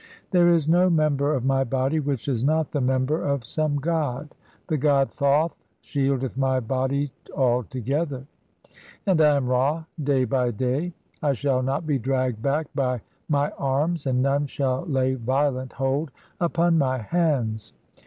There is no member of my "body which is not the member of some god. The god Thoth "shieldeth my body (n) altogether, and I am Ra day by day. "I shall not be dragged back by my arms, and none shall lay "violent hold upon my hands.